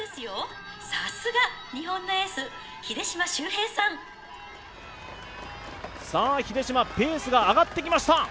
さすが日本のエース秀島修平さんさあ秀島ペースが上がってきました